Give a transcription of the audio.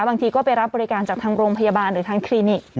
บางทีก็ไปรับบริการจากทางโรงพยาบาลหรือทางคลินิก